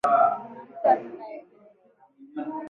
Kuna mtu atakaye kunipinga?